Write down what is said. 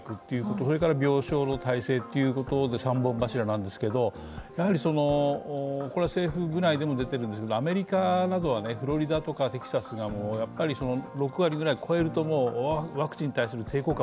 それから病床の体制という３本柱なんですけれども、これは政府部内でも出てるんですが、アメリカではフロリダとかテキサスが６割ぐらい超えるとワクチンに対する抵抗感